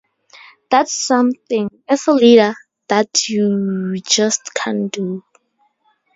That's something, as a leader, that you just can't do.